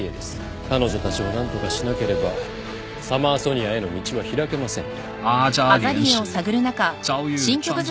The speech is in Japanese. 彼女たちを何とかしなければサマーソニアへの道は開けません。